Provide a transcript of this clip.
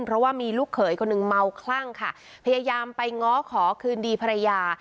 เพราะว่ามีลูกเขยคนหนึ่งเมาคลั่งค่ะพยายามไปง้อขอคืนดีภรรยา